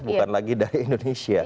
jadi tidak ada yang dibagi dari indonesia